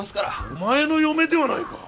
お前の嫁ではないか！